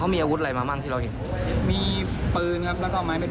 มีอาวุธอะไรมาบ้างที่เราเห็น